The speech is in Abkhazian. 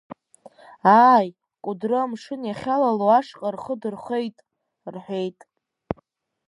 Ааи, Кәыдры амшын иахьалало ашҟа рхы дырхеит, — рҳәеит.